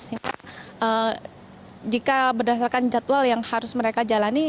sehingga jika berdasarkan jadwal yang harus mereka jalani